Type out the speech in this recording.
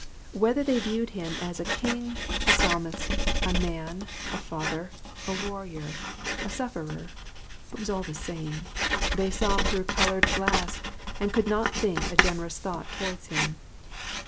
Whether they viewed him as a king, a psalmist, a man, a father, a warrior, a sufferer, it was all the same, they saw through coloured glass, and could not think a generous thought towards him.